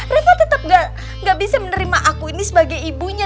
reva tetep gak bisa menerima aku ini sebagai ibunya